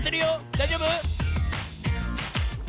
だいじょうぶ？